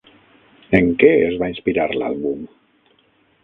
En què es va inspirar l'àlbum?